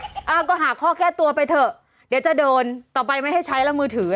อ่าก็หาข้อแก้ตัวไปเถอะเดี๋ยวจะเดินต่อไปไม่ให้ใช้แล้วมือถือ